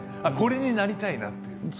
あっこれになりたいなっていう？